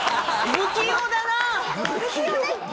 不器用だ。